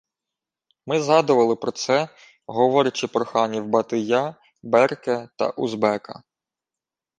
Ми згадували про це, говорячи про ханів Батия, Берке та Узбека